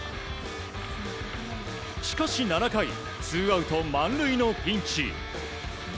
しかし７回ツーアウト満塁のピンチ。